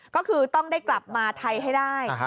ก็คือต้องได้กลับมาไทยให้ได้